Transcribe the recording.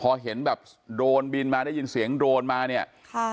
พอเห็นแบบโดรนบินมาได้ยินเสียงโดรนมาเนี่ยค่ะ